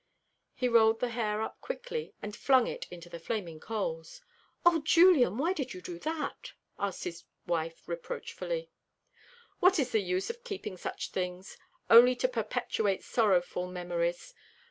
He rolled the hair up quickly, and flung it into the flaming coals. "O Julian, why did you do that?" asked his wife reproachfully. "What is the use of keeping such things, only to perpetuate sorrowful memories?